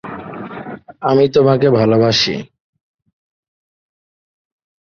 গাণিতিক সমীকরণ দ্বারা নির্ণেয়।